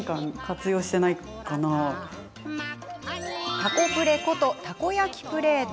たこプレこと、たこ焼きプレート。